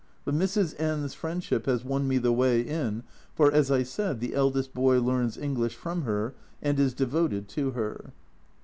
But Mrs. N J s friendship has won me the way in, for, as I said, the eldest boy learns English from her and is devoted to her.